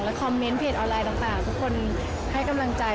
คอมเมนต์เพจออนไลน์ต่างทุกคนให้กำลังใจ